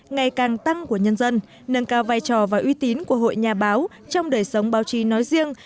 ngày càng tăng của nhân dân nâng cao vai trò và uy tín của hội nhà báo trong đời sống báo chí nói riêng